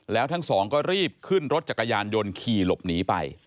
แล้วทั้งสองก็รีบขึ้นรถจักรยานยนต์ขี่หลบหนีไป